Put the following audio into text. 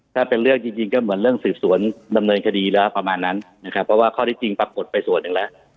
ถ้าเป็นเรื่องจริงก็เหมือนเรื่องสืบสวนดำเนินคดีแล้วประมาณนั้นนะครับเพราะว่าข้อที่จริงปรากฏไปส่วนหนึ่งแล้ว